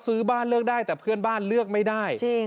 ซื้อบ้านเลือกได้แต่เพื่อนบ้านเลือกไม่ได้